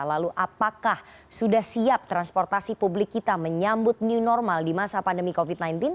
lalu apakah sudah siap transportasi publik kita menyambut new normal di masa pandemi covid sembilan belas